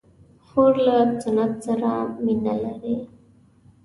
خور له سنت سره مینه لري.